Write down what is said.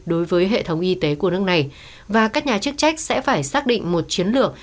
đối với hệ thống y tế của nước này và các nhà chức trách sẽ phải xác định một chiến lược